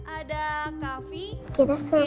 ada kavi ndry dan sabrina